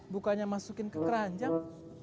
bu kan yang masukin ke kranjang